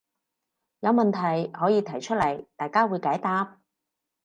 有問題可以提出來，大家會解答